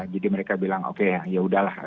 jadi mereka bilang oke yaudahlah